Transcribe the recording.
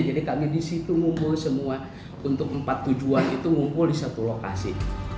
jadi kami di situ ngumpul semua untuk empat tujuan itu ngumpul di satu lokasi